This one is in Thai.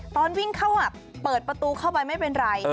ตอนวิ่งเข้าเปิดประตูเข้าไปไม่เป็นไร